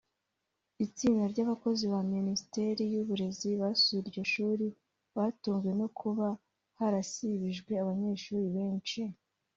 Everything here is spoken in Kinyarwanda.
Itsinda ry’abakozi ba Minisiteri y’Uburezi basuye iryo shuri batunguwe no kuba harasibijwe abanyeshuri benshi